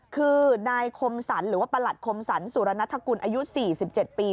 คือนายคมสรรหรือว่าประหลัดคมสรรสุรณัฐกุลอายุ๔๗ปี